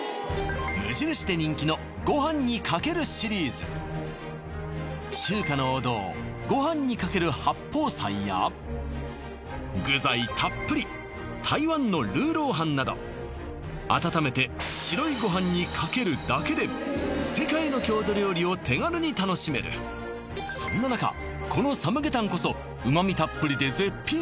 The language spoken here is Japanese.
無印で人気の中華の王道具材たっぷり台湾のルーロー飯など温めて白いごはんにかけるだけで世界の郷土料理を手軽に楽しめるそんな中このサムゲタンこそ旨味たっぷりで絶品！